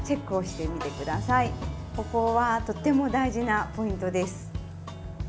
ここはとても大事なポイントです。